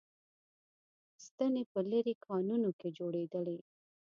ستنې په لېرې کانونو کې جوړېدلې